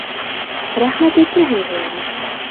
— Рәхмәт әйтмәһәң дә ярай.